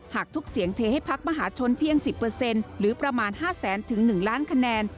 หากทุกเสียงเทให้พักมหาชนเพียง๑๐หรือประมาณ๕แสนถึง๑ล้านคะแนน